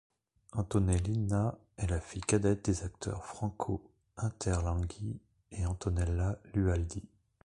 Antonellina est la fille cadette des acteurs Franco Interlenghi et Antonella Lualdi.